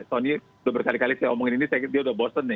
soalnya dua berkali kali saya omongin ini saya kira dia sudah bosen nih